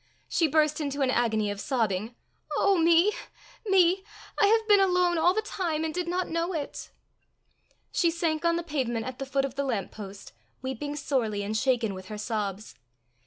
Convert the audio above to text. She burst into an agony of sobbing. "Oh me! me! I have been alone all the time, and did not know it!" She sank on the pavement at the foot of the lamp post, weeping sorely, and shaken with her sobs.